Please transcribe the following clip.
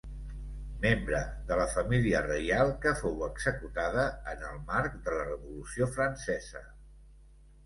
Membre de la família reial que fou executada en el marc de la Revolució Francesa.